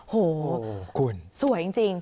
โหสวยจริง